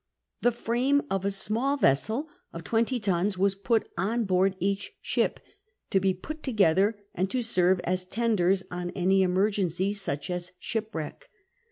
The frame of a small vessel of twenty tons was put on board each ship, to be put together and. to serve as tenders on any emergency, such as shipwreck.